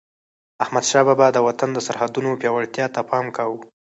احمدشاه بابا به د وطن د سرحدونو پیاوړتیا ته پام کاوه.